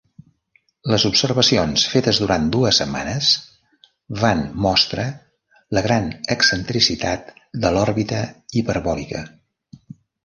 Les observacions fetes durant dues setmanes van mostra la gran excentricitat de l'òrbita hiperbòlica.